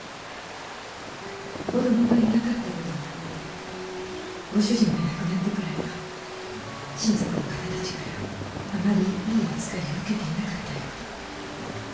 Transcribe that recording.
子どもがいなかった事もあってご主人が亡くなってからは親族の方たちからあまりいい扱いを受けていなかったようで。